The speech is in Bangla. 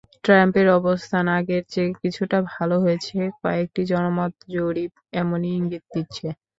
ট্রাম্পের অবস্থান আগের চেয়ে কিছুটা ভালো হয়েছে—কয়েকটি জনমত জরিপ এমনই ইঙ্গিত দিচ্ছে।